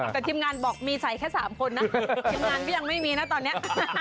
แต่ทีมงานบอกมีใส่แค่๓คนนะทีมงานก็ยังไม่มีนะตอนนี้